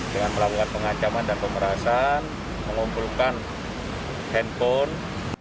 dengan pelabuhan pengacaman dan pemerasan mengumpulkan handphone